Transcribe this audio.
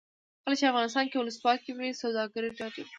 کله چې افغانستان کې ولسواکي وي سوداګر ډاډه وي.